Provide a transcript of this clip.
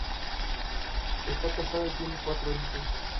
Fue incluido en el mejor quinteto de la Mid-American Conference.